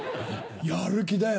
やる気だよ！